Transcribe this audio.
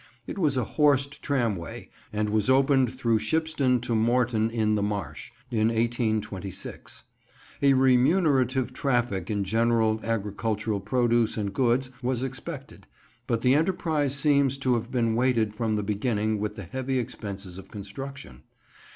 It was a horsed tramway, and was opened through Shipston to Moreton in the Marsh in 1826. A remunerative traffic in general agricultural produce and goods was expected, but the enterprise seems to have been weighted from the beginning with the heavy expenses of construction.